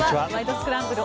スクランブル」